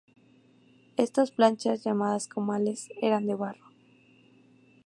Estas planchas, llamadas "comales", eran de barro.